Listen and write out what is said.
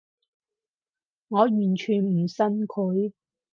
我完全唔信佢